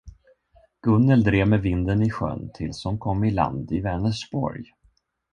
Gunnel drev med vinden i sjön tills hon kom i land i Vänersborg.